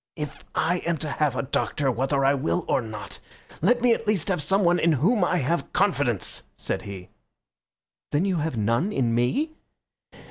"If I am to have a doctor whether I will or not, let me at least have someone in whom I have confidence," said he. "Then you have none in me?"